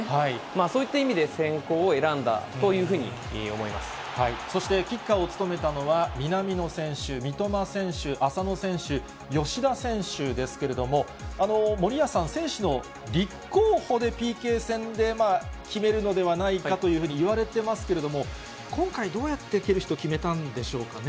そういった意味で、先攻を選んだそしてキッカーを務めたのは、南野選手、三笘選手、浅野選手、吉田選手ですけれども、森保さん、選手の立候補でＰＫ戦で決めるのではないかというふうにいわれてますけれども、今回、どうやって蹴る人決めたんでしょうかね。